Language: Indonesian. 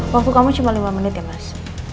waktu kamu cuma lima menit ya mas